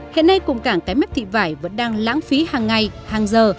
hiện nay cụm cảng cái mép thị vải vẫn đang lãng phí hàng ngày hàng giờ